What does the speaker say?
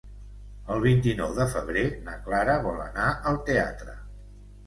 El vint-i-nou de febrer na Clara vol anar al teatre.